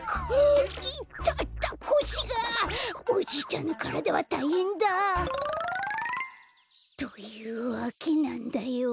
イタタこしがおじいちゃんのからだはたいへんだ。というわけなんだよ。